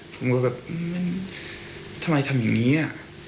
ผมก็แบบทำไมทำอย่างนี้